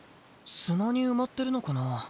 砂に埋まってるのかな？